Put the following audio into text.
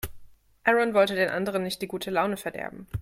Aaron wollte den anderen nicht die gute Laune verderben.